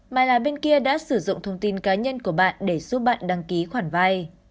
mà là bên kia đã sử dụng thông tin cá nhân của bạn để giúp bạn đăng ký khoản vay